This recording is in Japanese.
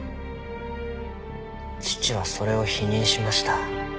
父はそれを否認しました。